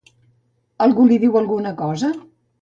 Algú li diu alguna cosa?